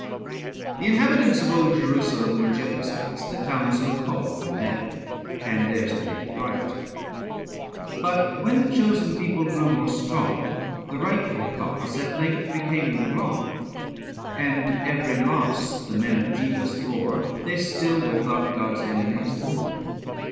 The inhabitants of old Jerusalem (L^ ^ tr^ 85 Were Jebusites; the town so called from them, And theirs the native right. But when the chosen people grew more strong, The rightful cause at length became the wrong ; And every loss the men of Jebus bore, 90 They still were thought God's enemies the more.